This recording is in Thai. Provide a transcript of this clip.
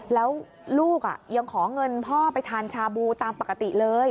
แล้วลูกยังขอเงินพ่อไปทานชาบูตามปกติเลย